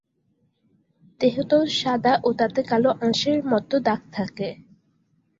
দেহতল সাদা ও তাতে কালো আঁশের মত দাগ থাকে।